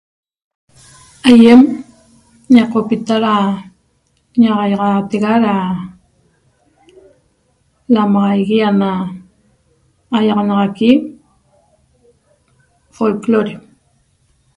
Aiem ñeqopita ra ñaxaiaxatega ra lamaxaigui ana aiaxanaxaqui folclore